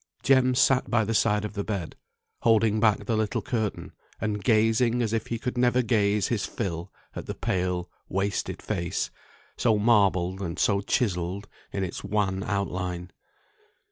Jem sat by the side of the bed, holding back the little curtain, and gazing as if he could never gaze his fill at the pale, wasted face, so marbled and so chiselled in its wan outline.